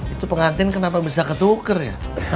itu pengantin kenapa bisa ketuker ya